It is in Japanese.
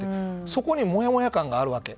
そこに、もやもや感があるわけ。